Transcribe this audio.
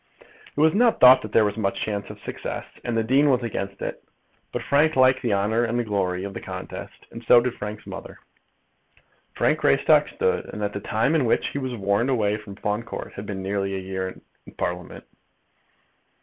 It was not thought that there was much chance of success, and the dean was against it. But Frank liked the honour and glory of the contest, and so did Frank's mother. Frank Greystock stood, and at the time in which he was warned away from Fawn Court had been nearly a year in Parliament.